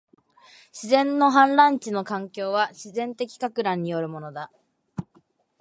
自然の氾濫地の環境は、自然的撹乱によるものだ